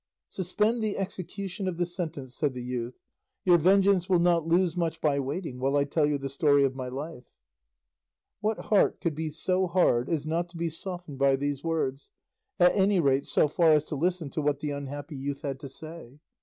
"Suspend the execution of the sentence," said the youth; "your vengeance will not lose much by waiting while I tell you the story of my life." What heart could be so hard as not to be softened by these words, at any rate so far as to listen to what the unhappy youth had to say?